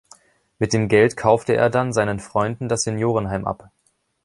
Mit dem Geld kaufte er dann seinen Freunden das Seniorenheim ab.